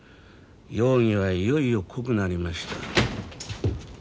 容疑はいよいよ濃くなりました。